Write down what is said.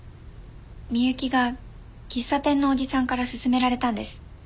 美雪が喫茶店のおじさんから薦められたんです。